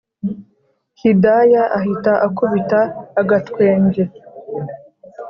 hidaya ahita akubita agatwenge